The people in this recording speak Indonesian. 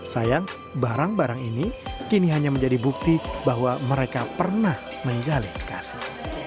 sayang barang barang ini kini hanya menjadi bukti bahwa mereka pernah menjalin kasih